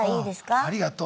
ありがとう。